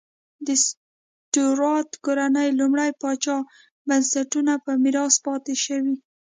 د سټورات کورنۍ لومړي پاچا بنسټونه په میراث پاتې شوې.